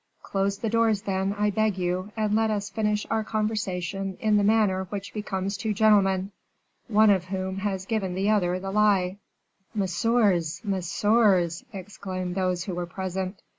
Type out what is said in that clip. Close the doors, then, I beg you, and let us finish our conversation in the manner which becomes two gentlemen, one of whom has given the other the lie." "Messieurs, messieurs!" exclaimed those who were present.